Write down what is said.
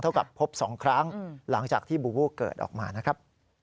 กับพบ๒ครั้งหลังจากที่บูบูเกิดออกมานะครับ